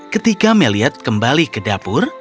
ketika meliad kembali ke dapur